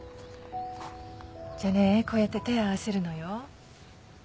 じゃあねこうやって手合わせるのよ。